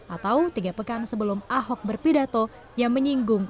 atau tiga pekan sebelum ahok berpidato yang menyinggung